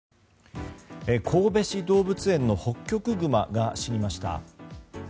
神戸市動物園のホッキョクグマが死にました。